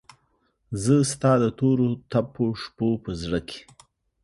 زه ستا دتوروتپوشپوپه زړه کې